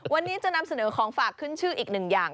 วันนี้จะนำเสนอของฝากขึ้นชื่ออีกหนึ่งอย่าง